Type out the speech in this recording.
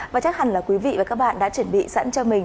và chắc hẳn là quý vị và các bạn đã chuẩn bị sẵn cho mình